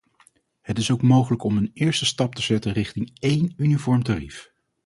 Het is ook mogelijk om een eerste stap te zetten richting één uniform tarief.